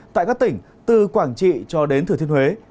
tại các tỉnh từ quảng trị cho đến thừa thiên huế